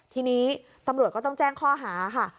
ทีนี้ตำรวจก็ต้องแจ้งข้อหาค่ะ